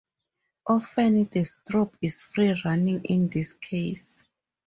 Often the strobe is free running in this case.